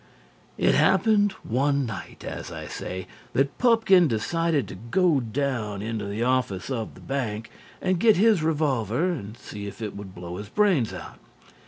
It happened one night, as I say, that Pupkin decided to go down into the office of the bank and get his revolver and see if it would blow his brains out.